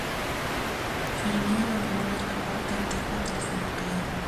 Fermín abandonó en la cuarta etapa tras una caída.